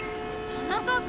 田中君！